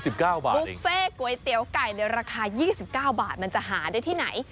๒๙บาทเองบุฟเฟ่ก๋วยเตี๋ยวไก่แล้วราคา๒๙บาทมันจะหาได้ที่ไหน